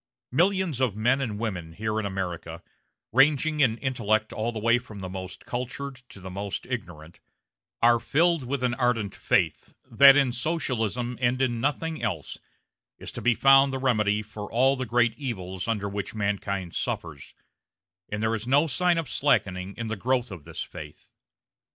Millions of men and women, here in America ranging in intellect all the way from the most cultured to the most ignorant are filled with an ardent faith that in Socialism, and in nothing else, is to be found the remedy for all the great evils under which mankind suffers; and there is no sign of slackening in the growth of this faith.